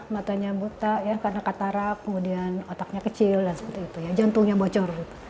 matanya buta karena katarak otaknya kecil jantungnya bocor